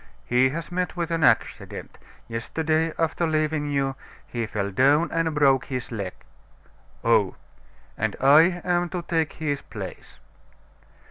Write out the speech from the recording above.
"He has met with an accident. Yesterday, after leaving you, he fell down and broke his leg." "Oh!" "And I am to take his place."